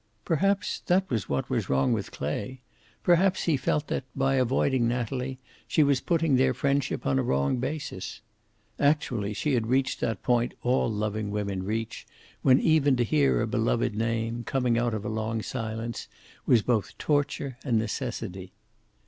Perhaps that was what was wrong with Clay; perhaps he felt that, by avoiding Natalie, she was putting their friendship on a wrong basis. Actually, she had reached that point all loving women reach, when even to hear a beloved name, coming out of a long silence, was both torture and necessity.